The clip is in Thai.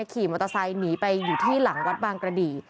ขี่มอเตอร์ไซค์หนีไปอยู่ที่หลังวัดบางกระดี